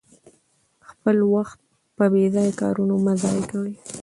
خپل وخت په بې ځایه کارونو مه ضایع کوئ.